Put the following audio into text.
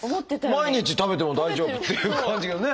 毎日食べても大丈夫っていう感じがね。